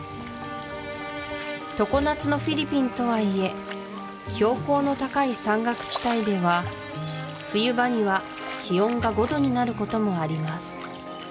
常夏のフィリピンとはいえ標高の高い山岳地帯では冬場には気温が５度になることもあります